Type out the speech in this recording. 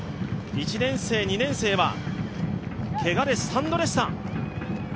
１年生、２年生はけがでスタンドでした。